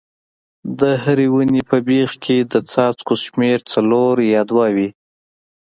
د هرې ونې په بیخ کې د څاڅکو شمېر څلور یا دوه وي.